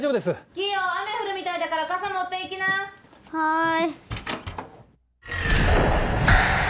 ・キヨ雨降るみたいだから傘持って行きな・はい。